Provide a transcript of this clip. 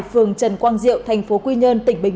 phường trần quang diệu thành độ